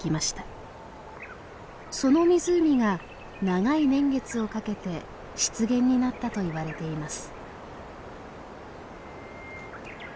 その湖が長い年月をかけて湿原になったといわれています。